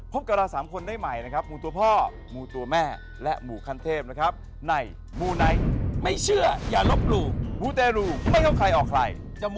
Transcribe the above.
โปรดติดตามตอนต่อไป